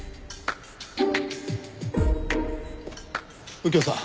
右京さん